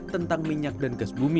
tentang minyak dan gas bumi